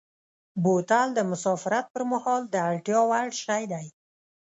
بوتل د مسافرت پر مهال د اړتیا وړ شی دی.